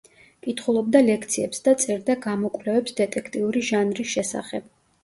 კითხულობდა ლექციებს და წერდა გამოკვლევებს დეტექტიური ჟანრის შესახებ.